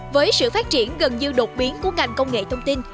với sự phát triển gần như đột biến của ngành công nghệ thông tin